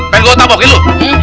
pengen gua tapokin lu